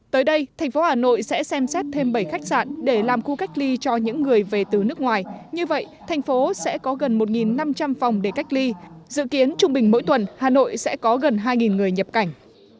tới đây thành phố hà nội sẽ xem xét thêm bảy khách sạn để làm khu cách ly cho những người về từ nước ngoài như vậy thành phố sẽ có gần một năm trăm linh phòng để cách ly dự kiến trung bình mỗi tuần hà nội sẽ có gần hai người nhập cảnh